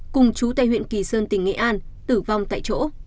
cùng chú tại huyện kỳ sơn tỉnh nghệ an tử vong tại chỗ